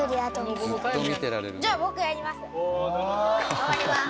頑張ります。